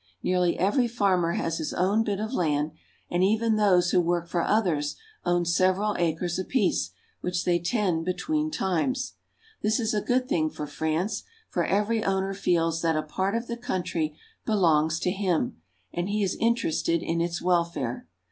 Nearly every farmer has his own bit of land, and even those who work for others own several acres apiece, which they tend between times. This is a good thing for France, for every owner feels that a part of the country belongs to him, and he is interested in its welfare.